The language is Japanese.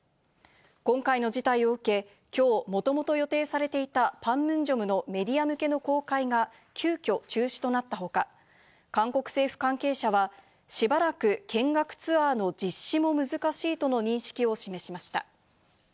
今回の事態を受け、きょう、もともと予定されていたパンムンジョムのメディア向けの公開が急きょ中止となった他、韓国政府関係者は、しばらく見学ツアーの実施も難しいとの認識を示しました。